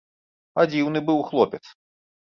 А дзіўны быў хлопец!